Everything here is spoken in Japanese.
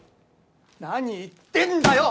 何言ってんだよ